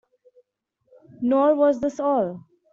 Nor was this all.